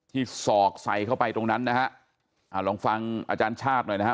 ศอกใส่เข้าไปตรงนั้นนะฮะอ่าลองฟังอาจารย์ชาติหน่อยนะฮะ